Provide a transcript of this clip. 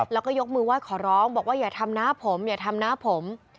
แล้วก็ยกมือไหว้ขอร้องบอกว่าอย่าทำน้าผมอย่าทำน้าผม